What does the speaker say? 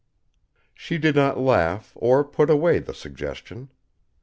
'" She did not laugh, or put away the suggestion.